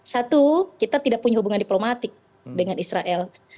satu kita tidak punya hubungan diplomatik dengan israel